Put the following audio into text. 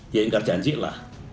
ya ingat janjilah